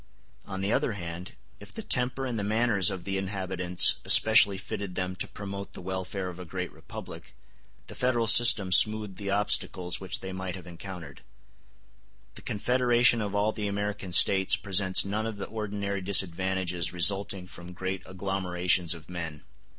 On the other hand, if the temper and the manners of the inhabitants especially fitted them to promote the welfare of a great republic, the Federal system smoothed the obstacles which they might have encountered. The confederation of all the American States presents none of the ordinary disadvantages resulting from great agglomerations of men.